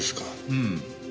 うん。